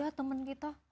ya teman kita